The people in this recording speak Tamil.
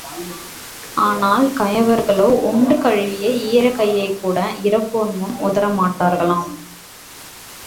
ஆனால் கயவர்களோ உண்டு கழுவிய ஈரக் கையைக்கூட இரப்போர்முன் உதறமாட்களாம்.